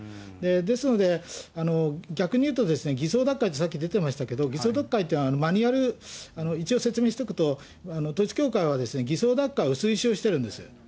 ですので、逆に言うと、偽装脱会ってさっき出てましたけど、偽装脱会って、マニュアル、一応説明しておくと、統一教会は、偽装脱会を推奨してるんです。